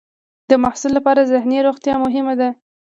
د محصل لپاره ذهني روغتیا مهمه ده.